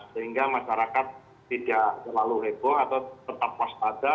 sehingga masyarakat tidak terlalu heboh atau tetap waspada